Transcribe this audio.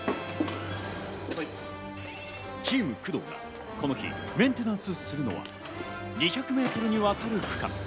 チーム工藤がこの日メンテナンスするのは、２００メートルにわたる区間。